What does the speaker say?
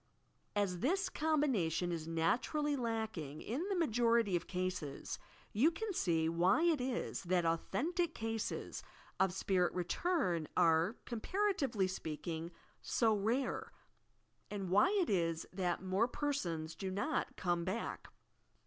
As this combination is naturally lacking, in the majority of cases, you can see why it is that au thentic cases of spirit return are, comparatively speaking, BO rare and why it is that more persons do not "come back."